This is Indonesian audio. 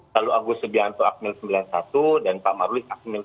lalu agus subianto akmil sembilan puluh satu dan pak marulis akmil sembilan puluh dua